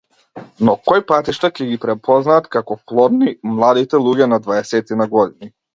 Но кои патишта ќе ги препознаат како плодни младите луѓе на дваесетина години?